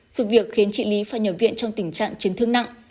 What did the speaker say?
sự việc khiến chị lý phải nhập viện trong tình trạng chấn thương nặng